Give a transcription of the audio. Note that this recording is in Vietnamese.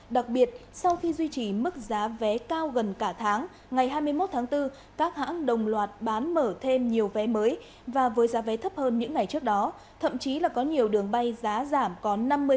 đặc biệt sau khi duy trì mức giá vé cao gần cả tháng ngày hai mươi một tháng bốn các hãng đồng loạt bán mở thêm nhiều vé mới và với giá vé thấp hơn những ngày trước đó thậm chí là có nhiều đường bay giá giảm còn năm mươi